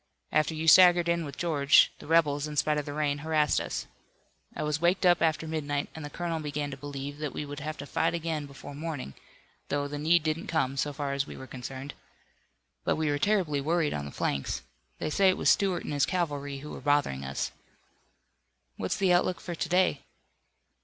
"After you staggered in with George, the rebels, in spite of the rain, harassed us. I was waked up after midnight, and the colonel began to believe that we would have to fight again before morning, though the need didn't come, so far as we were concerned. But we were terribly worried on the flanks. They say it was Stuart and his cavalry who were bothering us." "What's the outlook for to day?"